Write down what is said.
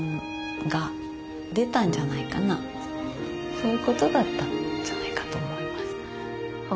そういうことだったんじゃないかと思います。